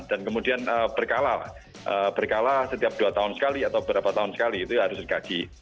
dan kemudian berkala berkala setiap dua tahun sekali atau berapa tahun sekali itu harus dikaji